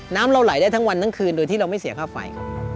น้ำเราไหลได้ทั้งวันทั้งคืนโดยที่เราไม่เสียค่าไฟครับ